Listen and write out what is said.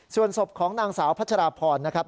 ส่วนศพของนางสาวพัชราพรนะครับ